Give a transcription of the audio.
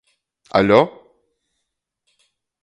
-Aļo!?